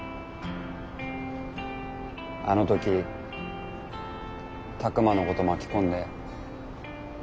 あの時拓真のこと巻き込んで。